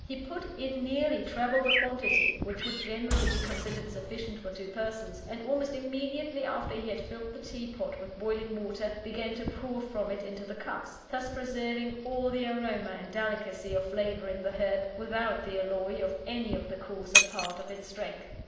He put in nearly treble the quantity which would generally be considered sufficient for two persons; and almost immediately after he had filled the tea pot with boiling water, began to pour from it into the cups thus preserving all the aroma and delicacy of flavour in the herb, without the alloy of any of the coarser part of its strength.